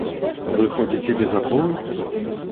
Вы ходзіце без аховы?